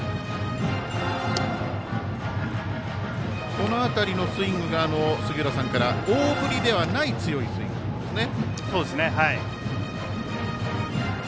この辺りのスイングが大振りではないという強いスイングですね。